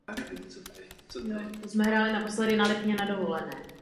Albrecht se pohyboval ve vysokých politických kruzích a jednal s mnoha představiteli té doby.